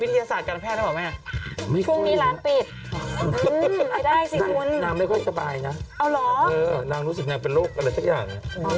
วิทยาศาสตร์การแพทย์ได้หรือเปล่าแม่ไม่ได้สิคุณนางไม่ค่อยสบายนะนางรู้สึกเป็นโรคอะไรสักอย่าง